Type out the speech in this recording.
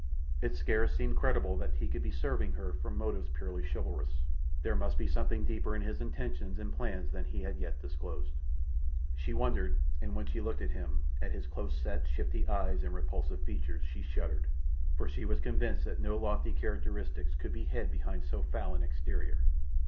It scarce seemed credible that he could be serving her from motives purely chivalrous. There must be something deeper in his intentions and plans than he had yet disclosed. She wondered, and when she looked at him—at his close set, shifty eyes and repulsive features, she shuddered, for she was convinced that no lofty characteristics could be hid behind so foul an exterior.